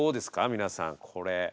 皆さんこれ。